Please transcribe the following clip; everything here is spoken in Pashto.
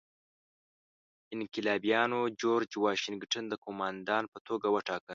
انقلابیانو جورج واشنګټن د قوماندان په توګه وټاکه.